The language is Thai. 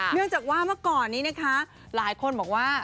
เนื่องจากว่าเมื่อก่อนนี้นะคะหลายคนบอกว่า